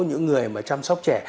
những người mà chăm sóc trẻ